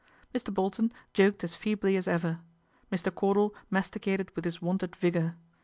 Mr. Bolton joked as feebly as ever. Mr. Cordal masticated with his wonted vigour.